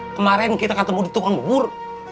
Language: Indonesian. kemarin kita ketemu di tukang bubur